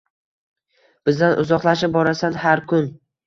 Bizdan uzoqlashib borasan har kun.